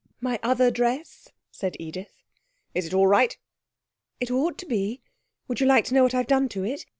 'My Other Dress,' said Edith. 'Is it all right?' 'It ought to be. Would you like to know what I've done to it?